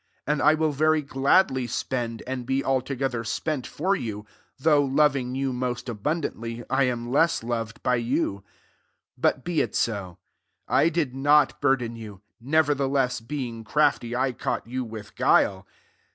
15 And I will very gladly spendi, and be altogether spent Cbr you : though loving you most abundantly, I am less loved by you, 16 But be it so : "I did not burden you; nevertheless, be ing crafty I caught you with guile."